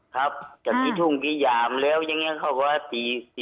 ครับจากนี้ทุ่งพิยามแล้วยังไงเขาก็ว่าตี๔๓๐